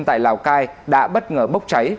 tại lào cai đã bất ngờ bốc trái